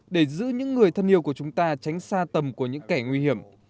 để giữ những người thân yêu của chúng ta tránh xa tầm của những kẻ nguy hiểm